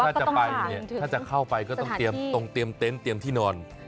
ถ้าจะไปเนี่ยถ้าจะเข้าไปก็ต้องเตรียมตรงเตรียมเต็นต์เตรียมที่นอน